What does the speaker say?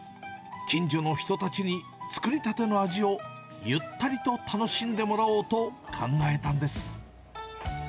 近所の人たちに作りたての味をゆったりと楽しんでもらおうと考えたんです。